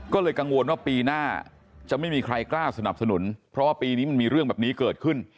ก็เลยกังวลว่าปีหน้าจะไม่มีใครกล้าสนับสนุนเพราะว่าปีนี้มันมีเรื่องแบบนี้เกิดขึ้น